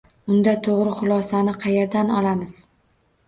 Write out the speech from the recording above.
Unda to‘g‘ri xulosani qayerdan olamiz?